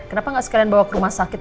kenapa nggak sekalian bawa ke rumah sakit